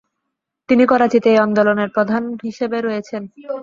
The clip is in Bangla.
তিনি করাচিতে এ আন্দোলনের প্রধান হিসেবে রয়েছেন।